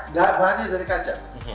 iya bahannya dari kaca